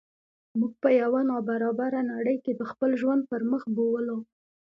موږ په یوه نا برابره نړۍ کې د خپل ژوند پرمخ بوولو.